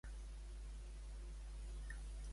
Què pretenia Las Sinsombrero?